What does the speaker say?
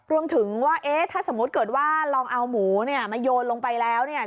รวมถึงว่าเอ๊ะถ้าสมมุติเกิดว่าลองเอาหมูเนี่ยมาโยนลงไปแล้วเนี่ย